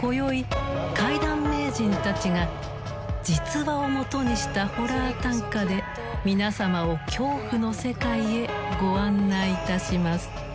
今宵怪談名人たちが実話をもとにしたホラー短歌で皆様を恐怖の世界へご案内いたします。